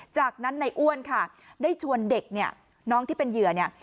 จากนั้นในอ้วนค่ะได้ชวนเด็กเนี่ยน้องที่เป็นเหยื่อเนี่ย